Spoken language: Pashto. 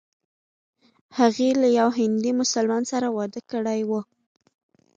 هغې له یوه هندي مسلمان سره واده کړی و.